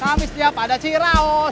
kamis dia pada ciraus